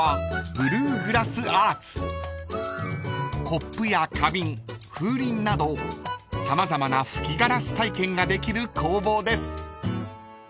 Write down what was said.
［コップや花瓶風鈴など様々な吹きガラス体験ができる工房です］